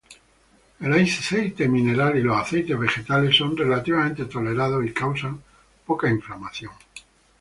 El aceite mineral y los aceites vegetales son relativamente tolerados y causan poca inflamación.